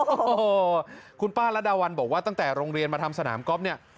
โอ้โหคุณป้ารัดดาวันบอกว่าตั้งแต่โรงเรียนมาทำสนามก๊อฟเนี่ย